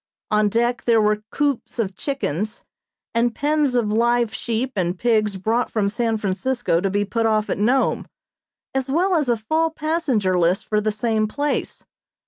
On deck there were coops of chickens, and pens of live sheep and pigs brought from San Francisco to be put off at Nome, as well as a full passenger list for the same place.